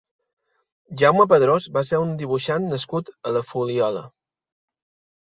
Jaume Pedrós va ser un dibuixant nascut a la Fuliola.